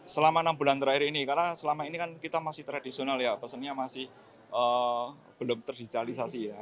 selama enam bulan terakhir ini karena selama ini kan kita masih tradisional ya pesennya masih belum terdigisialisasi ya